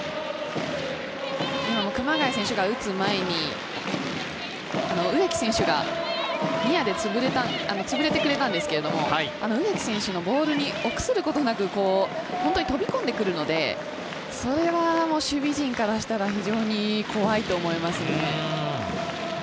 熊谷選手が打つ前に植木選手がニアでつぶれてくれたんですけれど、植木選手のボールに臆することなく飛び込んで来るので、それは守備陣からしたら非常に怖いと思います。